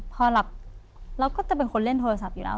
พอหลับเราก็จะเป็นคนเล่นโทรศัพท์อยู่แล้ว